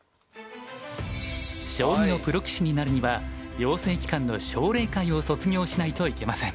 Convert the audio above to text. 将棋のプロ棋士になるには養成機関の奨励会を卒業しないといけません。